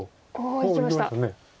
おおいきました。